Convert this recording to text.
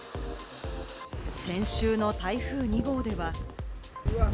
先週の台風２号では。